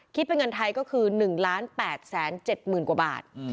คิดเป็นเงินไทยก็คือ๑๘๗๐๐๐กว่าบาท